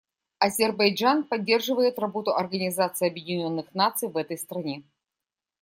Азербайджан поддерживает работу Организации Объединенных Наций в этой стране.